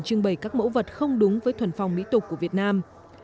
trưng bày các mẫu vật không đúng với thuần phòng mỹ tục của việt nam